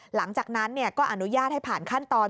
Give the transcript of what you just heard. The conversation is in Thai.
หลังจากนั้นก็อนุญาตให้ผ่านขั้นตอน